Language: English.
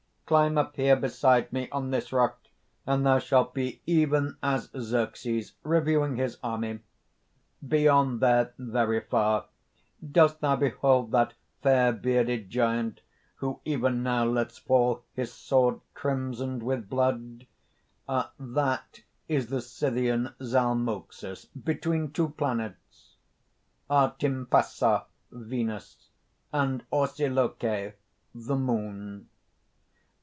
Climb up here beside me, on this rock; and thou shalt be even as Xerxes, reviewing his army. "Beyond there, very far, dost thou behold that fair bearded giant, who even now lets fall his sword crimsoned with blood? that is the Scythian Zalmoxis between two planets, Artimpasa, Venus, and Orsiloche, the Moon.